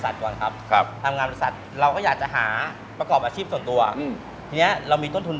ตอนแรกทำงานบริษัทก่อนครับ